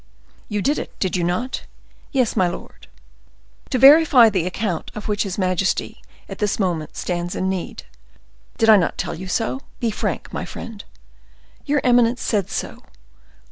"You did it, did you not?" "Yes, my lord." "To verify the amount of which his majesty, at this moment, stands in need. Did I not tell you so? Be frank, my friend." "Your eminence said so."